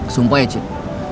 sumpah ya cip